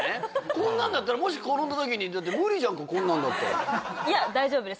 こんなんだったらもし転んだときにだって無理じゃんこんなんだったらいや大丈夫です